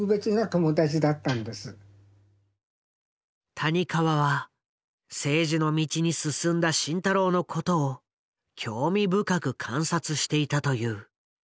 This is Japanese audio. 谷川は政治の道に進んだ慎太郎のことを興味深く観察していたという。